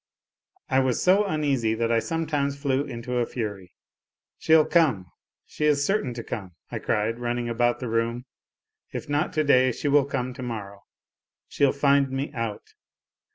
I was so uneasy that I some times flew into a fury :" She'll come, she is certain to come !" I cried, running about the room, " if not day, she will come to morrow ; she'll find me out